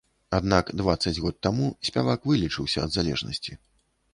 Аднак дваццаць год таму спявак вылечыўся ад залежнасці.